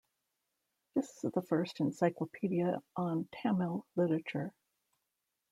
This is the first encyclopedia on Tamil literature.